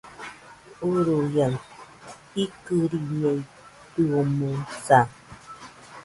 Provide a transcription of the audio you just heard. Uruia, ikɨriñeitɨomoɨsa